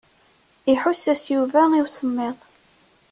Iḥuss-as Yuba i usemmiḍ.